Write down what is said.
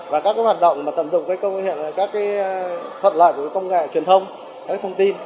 và các hoạt động tận dụng các thuận lợi của công nghệ truyền thông các thông tin